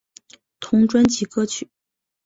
同专辑歌曲。